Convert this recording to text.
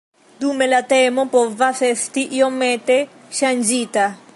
Dume la temo povas esti iomete ŝanĝita.